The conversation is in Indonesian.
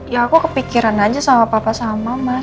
ya aku kepikiran aja sama papa sama mas